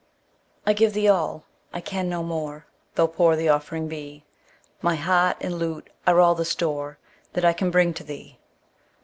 I give thee all I can no more Tho' poor the offering be; My heart and lute are all the store That I can bring to thee.